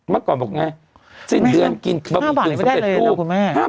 เมื่อก่อนบอกไงสิ้นเดือนกินบะหมี่กึ่งสำเร็จรูป